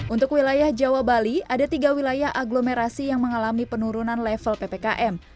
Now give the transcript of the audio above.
untuk wilayah jawa bali ada tiga wilayah agglomerasi yang mengalami penurunan level ppkm